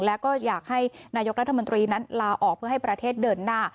แล้วก็อยากให้นายกรัฐมนตรีนั้นลาออกเพื่อให้ประเทศเดินหน้า